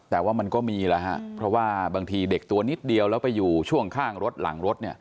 แต่ว่ามันก็มีแล้วฮะเพราะว่าบางทีเด็กตัวนิดเดียวแล้วไปอยู่ช่วงข้างรถหลังรถเนี่ย